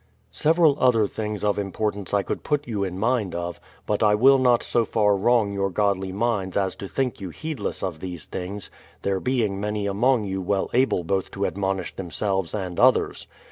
Several other things of importance I could put you in mind of, but I will not so far wrong your godly minds as to think you heedless of these things, there being many among j'ou well able both to admonish themselves and others.